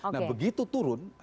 nah begitu turun